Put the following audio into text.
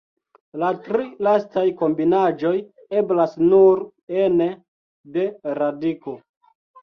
La tri lastaj kombinaĵoj eblas nur ene de radiko.